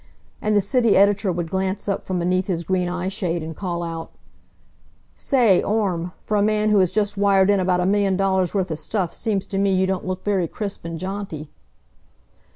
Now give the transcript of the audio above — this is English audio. And the city editor would glance up from beneath his green eye shade and call out: "Say, Orme, for a man who has just wired in about a million dollars' worth of stuff seems to me you don't look very crisp and jaunty."